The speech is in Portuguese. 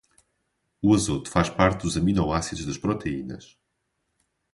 O azoto faz parte dos aminoácidos das proteínas.